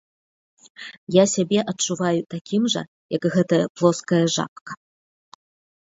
Я сябе адчуваю такім жа, як гэтая плоская жабка.